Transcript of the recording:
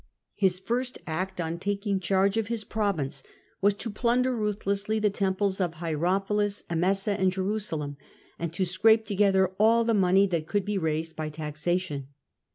His first act on taking charge of his province was to plunder ruthlessly the temples of Hierapolis, Emesa, and Jerusalem, and to scrape together all the money that could be raised by taxation.